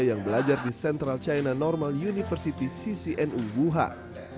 yang belajar di central china normal university ccnu wuhan